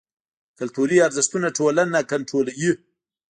کلتوري ارزښتونه ټولنه کنټرولوي.